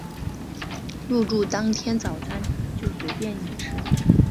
入住当天早餐就随便你吃